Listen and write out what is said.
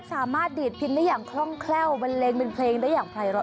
ดีดพินได้อย่างคล่องแคล่วบันเลงเป็นเพลงได้อย่างไพร้อ